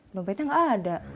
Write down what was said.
dompetnya gak ada